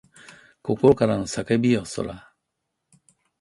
心からの叫びよそら